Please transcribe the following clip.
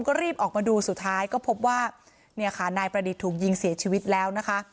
ก็รีบออกมาดูสุดท้ายก็พบว่าเนี่ยค่ะนายประดิษฐ์ถูกยิงเสียชีวิตแล้วนะคะ